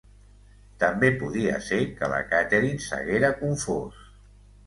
També podia ser que la Catherine s’haguera confòs...